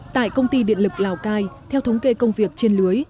tại công ty điện lực lào cai theo thống kê công việc trên lưới